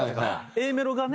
Ａメロがね。